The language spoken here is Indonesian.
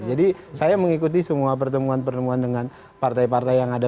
jadi saya mengikuti semua pertemuan pertemuan dengan partai partai yang ada berada di luar negara